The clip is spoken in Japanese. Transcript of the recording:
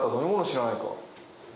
知らないか？